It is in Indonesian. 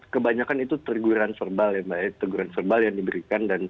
kebanyakan itu teguran verbal yang diberikan